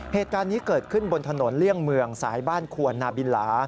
เหตุการณ์นี้เกิดขึ้นบนถนนเลี่ยงเมืองสายบ้านควรนาบินลา